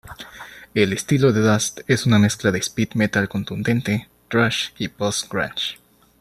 El estilo de "Dust" es una mezcla de "speed metal" contundente, "thrash" y "post-grunge".